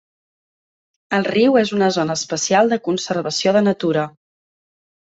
El riu és una zona especial de conservació de natura.